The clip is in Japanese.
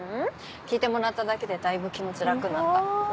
聞いてもらっただけでだいぶ気持ち楽になった。